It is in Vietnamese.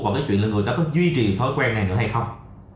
vào cái chuyện là người ta có duy trì thói quen này nữa hay không